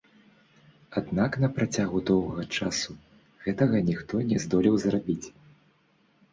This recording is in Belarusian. Аднак на працягу доўгага часу гэтага ніхто не здолеў зрабіць.